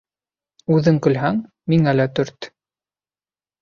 Үҙең көлһәң, миңә лә төрт.